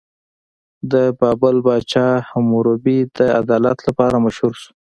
د بابل پاچا حموربي د عدالت لپاره مشهور شو.